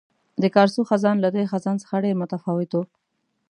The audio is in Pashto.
د کارسو خزان له تېر خزان څخه ډېر متفاوت وو.